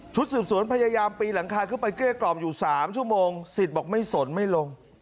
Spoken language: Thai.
สืบสวนพยายามปีนหลังคาขึ้นไปเกลี้ยกล่อมอยู่๓ชั่วโมงสิทธิ์บอกไม่สนไม่ลง